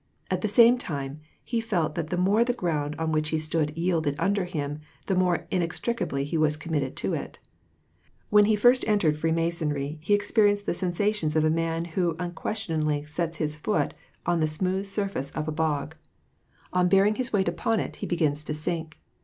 At the same time, he felt that the more the ground on which he stood yielded under him, the more inex tricably he was committed to it. When he lirst entered Free majsonry, he experienced the sensations of a man who unques tioningly ^ets f;K)t 9A the smooth surface of a bog. On bear WAR AND PEACE. 175 ing his weight upon it, he begins to sink.